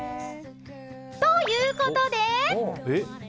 ということで。